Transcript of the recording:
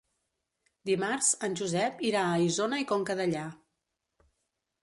Dimarts en Josep irà a Isona i Conca Dellà.